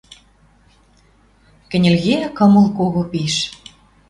Кӹньӹл кеӓ кымыл кого пиш.